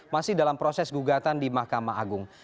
masih dalam proses gugatan di mahkamah agung